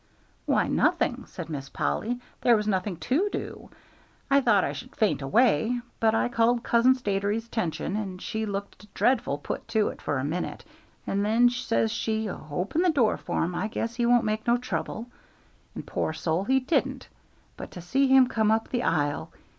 "Why, nothing," said Miss Polly; "there was nothing to do. I thought I should faint away; but I called Cousin Statiry's 'tention, and she looked dreadful put to it for a minute; and then says she, 'Open the door for him; I guess he won't make no trouble,' and, poor soul, he didn't. But to see him come up the aisle!